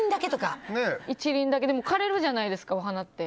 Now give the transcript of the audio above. １輪だけでも花って枯れるじゃないですか、お花って。